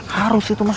harus itu mas